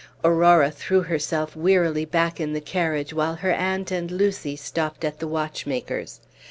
Aurora threw herself wearily back in the carriage while her aunt and Lucy stopped at the watchmaker's.